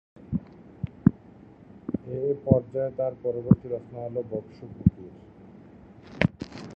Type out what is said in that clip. এ পর্যায়ে তাঁর পরবর্তী রচনা হলো বকসু ফকির।